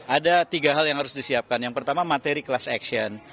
ada tiga hal yang harus disiapkan yang pertama materi kelas action